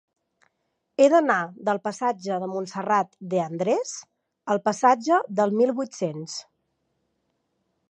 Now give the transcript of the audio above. He d'anar del passatge de Montserrat de Andrés al passatge del Mil vuit-cents.